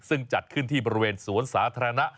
ซึ่งจัดขึ้นที่บริเวณสวนสาธารณะ